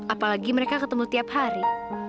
apalagi mereka ketemu tiap hari